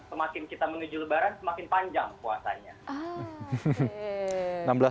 semakin kita menuju lebaran semakin panjang puasanya